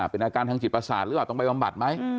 เป็นอาการทั้งจิตปราศาสตร์หรือว่าต้องไปมับบัดไหม